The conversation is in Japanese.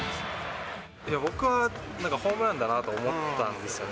僕はなんかホームランだなと思ったんですよね。